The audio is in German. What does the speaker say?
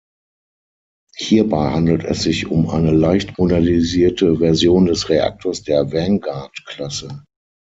Hierbei handelt es sich um eine leicht modernisierte Version des Reaktors der "Vanguard"-Klasse.